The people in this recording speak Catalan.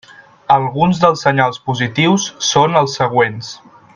Alguns dels senyals positius són els següents.